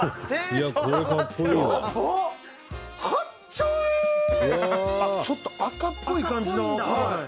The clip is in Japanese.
「ちょっと赤っぽい感じの革なんやな」